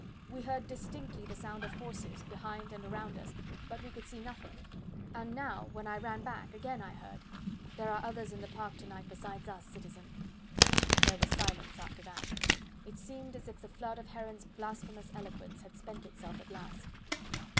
We heard distinctly the sound of horses behind and around us, but we could see nothing; and now, when I ran back, again I heard. There are others in the park to night besides us, citizen." There was silence after that. It seemed as if the flood of Heron's blasphemous eloquence had spent itself at last.